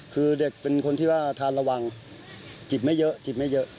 คือเด็กเป็นคนที่ว่าทานระวังจิบไม่เยอะจิบไม่เยอะ